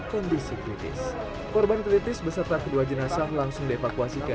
kondisi kritis korban kritis beserta kedua jenazah langsung dievakuasi ke